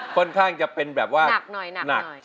ค่อนข้างจะเป็นแบบว่าหนักหน่อย